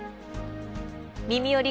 「みみより！